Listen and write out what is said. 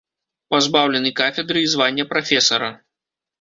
Пазбаўлены кафедры і звання прафесара.